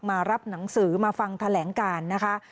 มารับหนังสือมาฟังแถลงการนะคะ